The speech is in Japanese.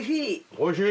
おいしい？